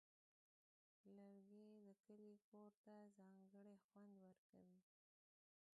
لرګی د کلي کور ته ځانګړی خوند ورکوي.